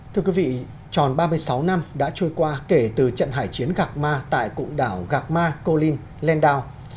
thưa quý vị tròn ba mươi sáu năm đã trôi qua kể từ trận hải chiến gạc ma tại cụm đảo gạc ma cô linh lên đào